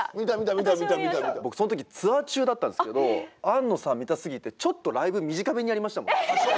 僕その時ツアー中だったんですけど庵野さん見たすぎてちょっとライブ短めにやりましたもん。